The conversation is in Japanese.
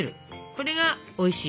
これがおいしい